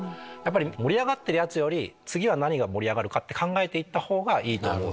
盛り上がってるやつより次は何が盛り上がるかを考えていった方がいいと思う。